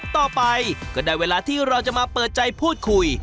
ต่อไปก็ได้เวลาที่เราจะมาเปิดใจพูดคุย